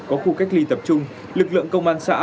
có khu cách ly tập trung lực lượng công an xã